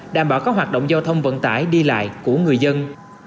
đảm bảo các hoạt động giao thông vận tải đi lại của người dân